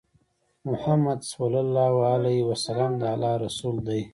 محمد صلی الله عليه وسلم د الله رسول دی